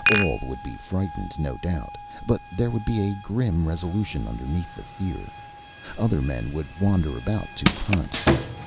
All would be frightened, no doubt, but there would be a grim resolution underneath the fear. Other men would wander about to hunt.